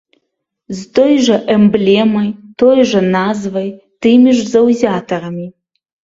З той жа эмблемай, той жа назвай, тымі ж заўзятарамі.